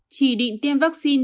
chỉ định tiêm vaccine